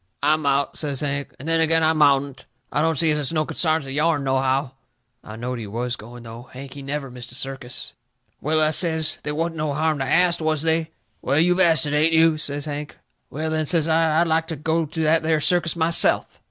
"I mout," says Hank, "and then agin I moutn't. I don't see as it's no consarns of yourn, nohow." I knowed he was going, though. Hank, he never missed a circus. "Well," I says, "they wasn't no harm to ast, was they?" "Well, you've asted, ain't you?" says Hank. "Well, then," says I, "I'd like to go to that there circus myself."